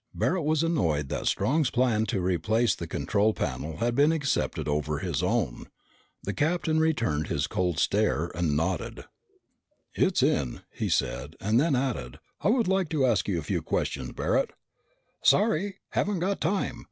Barret was annoyed that Strong's plan to replace the control panel had been accepted over his own. The captain returned his cold stare and nodded. "It's in," he said, and then added, "I would like to ask you a few questions, Barret." "Sorry, haven't got time!"